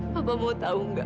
papa mau tahu gak